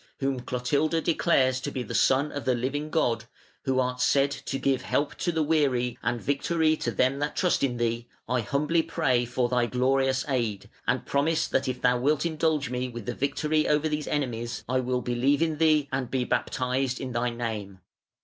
whom Clotilda declares to be the son of the living God, who art said to give help to the weary, and victory to them that trust in thee, I humbly pray for thy glorious aid, and promise that if thou wilt indulge me with the victory over these enemies, I will believe in thee and be baptised in thy name.